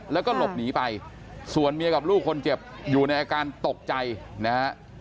แล้วก็หลบหนีไปส่วนเมียกับลูกคนเจ็บอยู่ในอาการตกใจนะฮะ